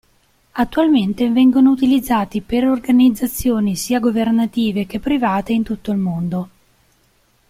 Attualmente vengono utilizzati per organizzazioni sia governative che private in tutto il mondo.